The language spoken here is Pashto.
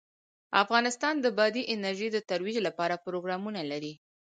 افغانستان د بادي انرژي د ترویج لپاره پروګرامونه لري.